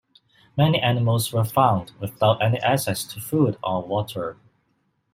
Many animals were found without any access to food or water.